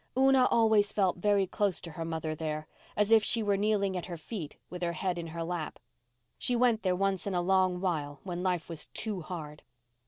Una always felt very close to her mother there—as if she were kneeling at her feet with head in her lap. She went there once in a long while when life was too hard.